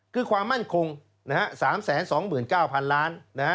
คือความมั่นคง๓๒๙๐๐๐ล้าน